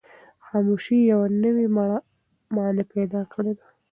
خاموشي یوه نوې مانا پیدا کړې ده.